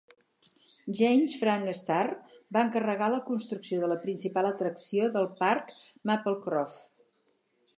James Frank Starr, va encarregar la construcció de la principal atracció del parc, Maplecroft.